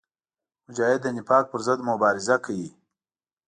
مجاهد د نفاق پر ضد مبارزه کوي.